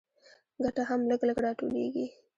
ګټه هم لږ لږ راټولېږي